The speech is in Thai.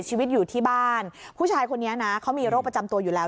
ชีวิตอยู่ที่บ้านผู้ชายคนนี้นะเขามีโรคประจำตัวอยู่แล้ว